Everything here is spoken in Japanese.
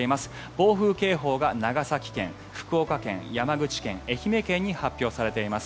暴風警報が長崎県、福岡県、長崎県愛媛県に発表されています。